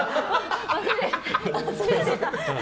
忘れてた。